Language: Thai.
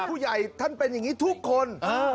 ผู้ใหญ่ท่านเป็นอย่างนี้ทุกคน